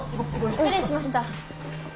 失礼しました。